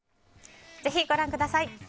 ぜひ、ご覧ください。